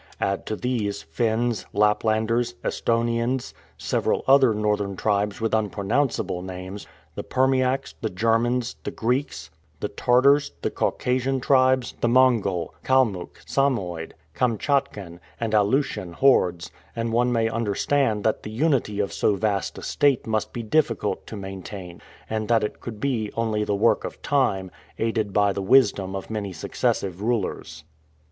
Add to these, Finns, Laplanders, Esthonians, several other northern tribes with unpronounceable names, the Permiaks, the Germans, the Greeks, the Tartars, the Caucasian tribes, the Mongol, Kalmuck, Samoid, Kamtschatkan, and Aleutian hordes, and one may understand that the unity of so vast a state must be difficult to maintain, and that it could only be the work of time, aided by the wisdom of many successive rulers.